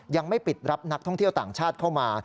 ยังไม่ปิดรับนักท่องเที่ยวต่างชาติเข้ามา